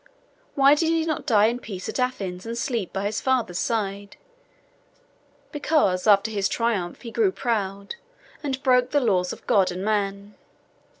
Why did he not die in peace at Athens, and sleep by his father's side? Because after his triumph he grew proud, and broke the laws of God and man.